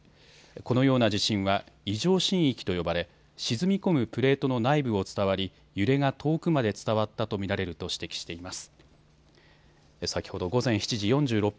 このような地震は、異常震域と呼ばれ沈み込むプレートの内部を伝わり揺れが遠くまで伝わったと見られると指摘しています。